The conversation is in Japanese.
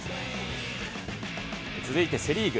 続いてセ・リーグ。